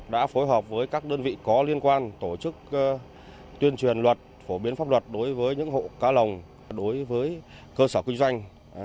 đã phối hợp với các đơn vị có liên quan tổ chức tuyên truyền luật phổ biến pháp luật đối với những hộ cá lồng đối với cơ sở kinh doanh